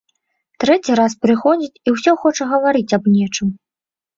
Трэці раз прыходзіць і ўсё хоча гаварыць аб нечым.